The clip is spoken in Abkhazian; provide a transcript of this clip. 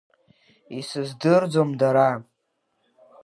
Исыздырӡом дара.